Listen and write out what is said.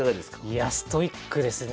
いやストイックですね。